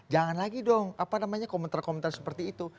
jangan lagi dong apa namanya komentar komentar seperti itu